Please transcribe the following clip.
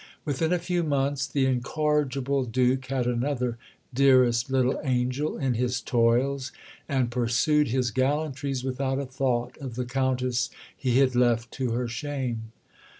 Within a few months the incorrigible Duke had another "dearest little angel" in his toils, and pursued his gallantries without a thought of the Countess he had left to her shame.